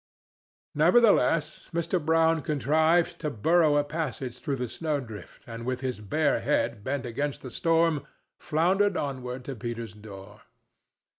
Nevertheless Mr. Brown contrived to burrow a passage through the snow drift, and with his bare head bent against the storm floundered onward to Peter's door.